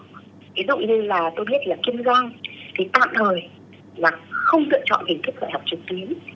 ví dụ như là tôi biết là kiên giang thì tạm thời là không lựa chọn hình thức gọi học trực tuyến